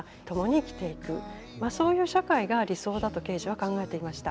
まあそういう社会が理想だとケージは考えていました。